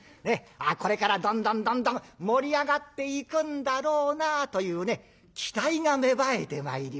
これからどんどんどんどん盛り上がっていくんだろうなというね期待が芽生えてまいります。